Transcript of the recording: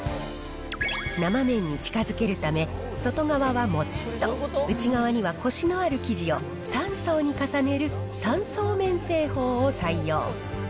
生麺に近づけるため、外側はもちっと、内側にはこしのある生地を３層に重ねる３層麺製法を採用。